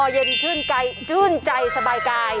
เย็นชื่นใจชื่นใจสบายกาย